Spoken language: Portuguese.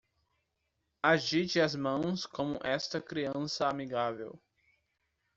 Agite as mãos com esta criança amigável.